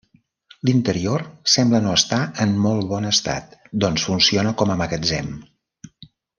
L'interior sembla no estar en molt bon estat, doncs, funciona com a magatzem.